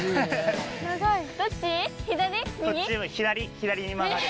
左に曲がる。